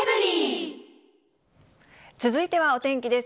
続いてはお天気です。